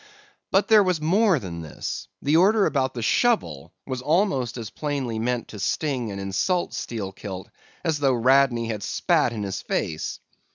"But there was more than this: the order about the shovel was almost as plainly meant to sting and insult Steelkilt, as though Radney had spat in his face.